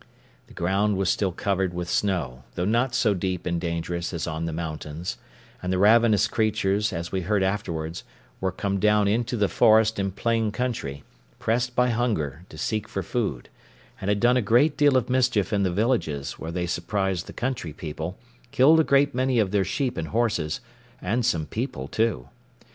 The ground was still covered with snow, though not so deep and dangerous as on the mountains; and the ravenous creatures, as we heard afterwards, were come down into the forest and plain country, pressed by hunger, to seek for food, and had done a great deal of mischief in the villages, where they surprised the country people, killed a great many of their sheep and horses, and some people too.